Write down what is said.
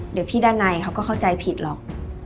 เดี๋ยวพี่ด้านในเขาก็เข้าใจผิดหรอก